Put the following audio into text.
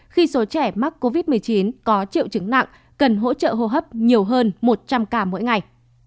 khi số trẻ mắc covid một mươi chín có triệu chứng nặng cần hỗ trợ hô hấp nhiều hơn một trăm linh ca mỗi ngày